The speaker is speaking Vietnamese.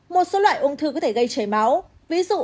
một số loại ung thư có thể gây chảy máu